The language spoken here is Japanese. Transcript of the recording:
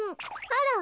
あら。